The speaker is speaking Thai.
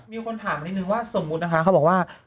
มีคนถามนิดนึงว่าสมมุตินะคะเขาบอกว่า